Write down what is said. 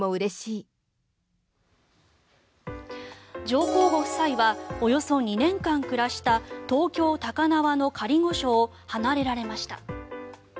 上皇ご夫妻はおよそ２年間暮らした東京・高輪の仮御所を離れられました。